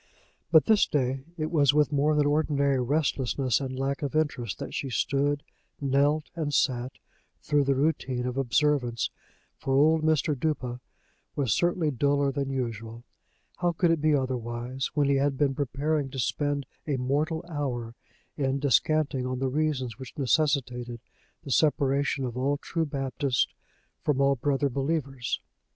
But this day it was with more than ordinary restlessness and lack of interest that she stood, knelt, and sat, through the routine of observance; for old Mr. Duppa was certainly duller than usual: how could it be otherwise, when he had been preparing to spend a mortal hour in descanting on the reasons which necessitated the separation of all true Baptists from all brother believers?